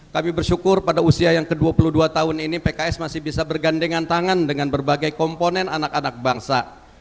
kami bersyukur pada usia yang ke dua puluh dua tahun ini pks masih bisa bergandengan tangan dengan berbagai komponen anak anak bangsa